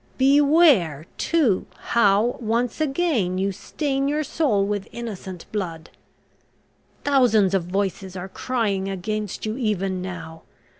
Beware, too, how, once again, you stain your soul with innocent blood. Thousands of voices are crying against you even now.